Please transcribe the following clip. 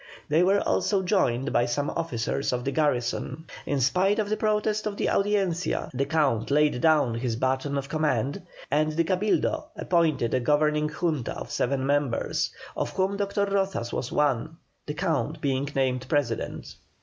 They were also joined by some officers of the garrison. In spite of the protest of the Audiencia, the Count laid down his baton of command, and the Cabildo appointed a governing Junta of seven members, of whom Dr. Rozas was one, the Count being named President.